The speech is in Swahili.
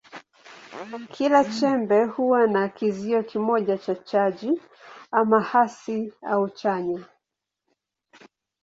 Kila chembe huwa na kizio kimoja cha chaji, ama hasi au chanya.